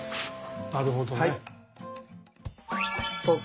なるほどね。